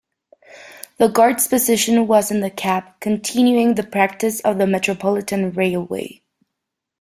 The guard's position was in the cab, continuing the practice of the Metropolitan Railway.